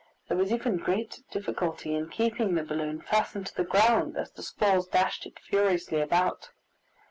There was even great difficulty in keeping the balloon fastened to the ground, as the squalls dashed it furiously about.